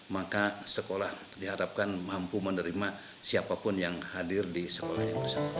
maka sekolah diharapkan mampu menerima siapapun yang hadir di sekolah yang bersangkutan